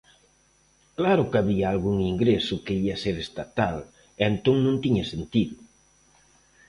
Claro que había algún ingreso que ía ser estatal e entón non tiña sentido.